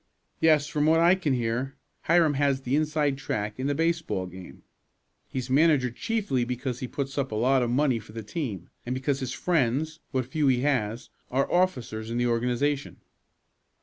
"Yes, from what I can hear, Hiram has the inside track in the baseball game. He's manager chiefly because he puts up a lot of money for the team, and because his friends, what few he has, are officers in the organization."